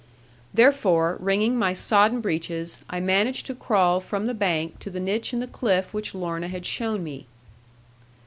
Therefore, wringing my sodden breaches, I managed to crawl from the bank to the niche in the cliff which Lorna had shown me.